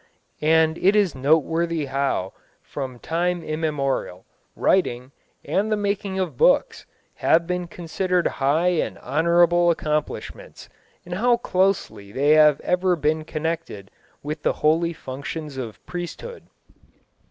And it is noteworthy how, from time immemorial, writing, and the making of books, have been considered high and honourable accomplishments, and how closely they have ever been connected with the holy functions of priesthood.